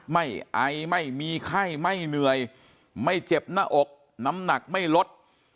ไอไม่มีไข้ไม่เหนื่อยไม่เจ็บหน้าอกน้ำหนักไม่ลด